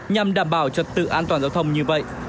nhằm đảm bảo trật tự an toàn giao thông như vậy